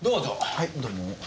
はいどうも。